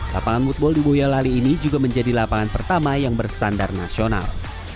lapangan mootball di boyolali ini juga menjadi lapangan pertama yang berstandar nasional